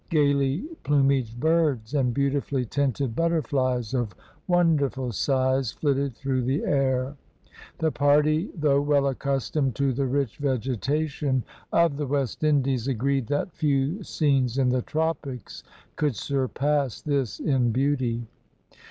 Gaily plumaged birds, and beautifully tinted butterflies, of wonderful size, flitted through the air. The party, though well accustomed to the rich vegetation of the West Indies, agreed that few scenes in the tropics could surpass this in beauty.